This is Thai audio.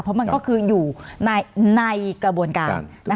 เพราะมันก็คืออยู่ในกระบวนการ